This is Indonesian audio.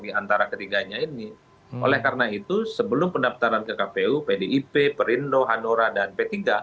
di antara ketiganya ini oleh karena itu sebelum pendaftaran ke kpu pdip perindo hanura dan p tiga